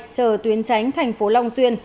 chờ tuyến tránh thành phố long xuyên